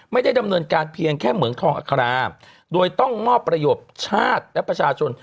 ไม่ได้ดำเนินการเพียงแค่เหมืองทองอัครามโดยต้องมอบประโยชน์ชาติและประชาชน